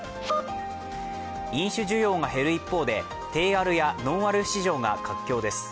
飲酒需要が減る一方で、低アルやノンアル市場が活況です。